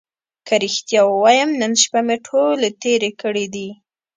که رښتیا ووایم نن شپه مې ټولې تېرې کړې دي.